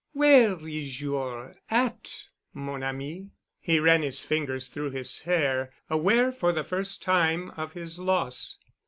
"Where is your 'at, mon ami?" He ran his fingers through his hair, aware for the first time of his loss.